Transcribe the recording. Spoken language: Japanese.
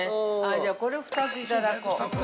じゃあ、これ２ついただこう。